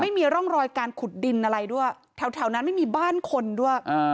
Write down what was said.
ไม่มีร่องรอยการขุดดินอะไรด้วยแถวนั้นไม่มีบ้านคนด้วย